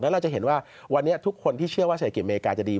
เราจะเห็นว่าวันนี้ทุกคนที่เชื่อว่าเศรษฐกิจอเมริกาจะดี